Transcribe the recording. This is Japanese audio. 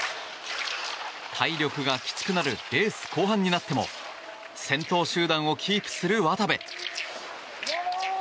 体力がきつくなるレース後半になっても先頭集団をキープする渡部。